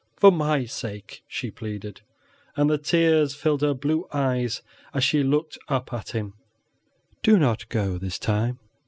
"For my sake," she pleaded, and the tears filled her blue eyes as she looked up at him, "do not go this time."